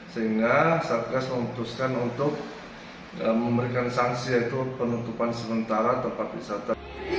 sehingga satgas memutuskan untuk memberikan sanksi yaitu penutupan sementara tempat wisata